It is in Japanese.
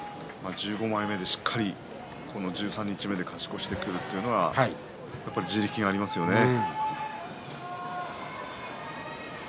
１５枚目で十二日目で勝ち越しをするというのは地力がありますよねやはり。